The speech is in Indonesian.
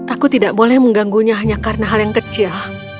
aku tidak boleh mengganggunya hanya karena hal yang kecil